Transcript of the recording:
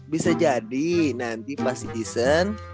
bisa jadi nanti pas season